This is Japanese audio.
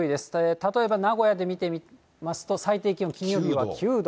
例えば名古屋で見てみますと、最低気温、金曜日は９度。